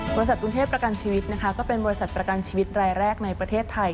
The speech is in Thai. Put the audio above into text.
บริษัทกรุงเทพประกันชีวิตนะคะก็เป็นบริษัทประกันชีวิตรายแรกในประเทศไทย